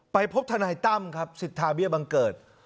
พบทนายตั้มครับสิทธาเบี้ยบังเกิด